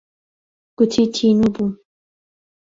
گوتی تینوو بووم.